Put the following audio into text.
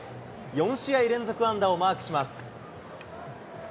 ４試合連続安打をマークします。